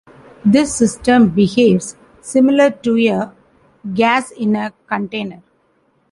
This system behaves similar to a gas in a container.